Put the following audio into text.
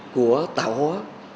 của tạo hóa